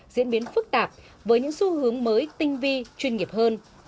diễn biến phức tạp với những xu hướng mới tinh vi chuyên nghiệp hơn